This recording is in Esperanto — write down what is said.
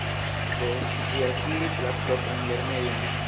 Post ĝi akiris la propran lernejon.